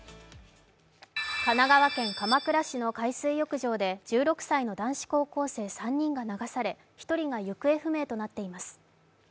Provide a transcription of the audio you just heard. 神奈川県鎌倉市の海水浴場で１６歳の男子高校生３人が流され１人が行方不明となっています。